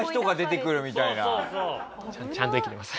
ちゃんと生きてます。